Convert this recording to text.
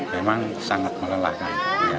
memang sangat melelahkan